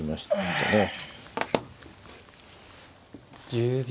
１０秒。